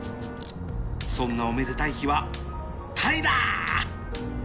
そんなおめでたい日はタイだ！